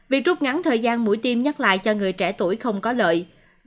việc rút ngắn thời gian mũi tiêm nhắc lại cho người trẻ tuổi không có lợi